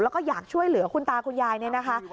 แล้วก็อยากช่วยเหลือคุณตาคุณยายเนี่ยนะคะ